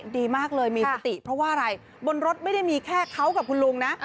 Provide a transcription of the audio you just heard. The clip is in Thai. ดีมากเลยมีสติเพราะว่าอะไรบนรถไม่ได้มีแค่เขากับคุณลุงนะ